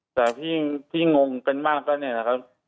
แต่ที่งงกันมากก็เนี่ยนะครับ